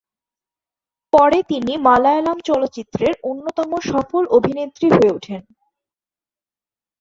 পরে তিনি মালয়ালম চলচ্চিত্রের অন্যতম সফল অভিনেত্রী হয়ে ওঠেন।